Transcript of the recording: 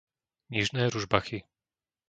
Nižné Ružbachy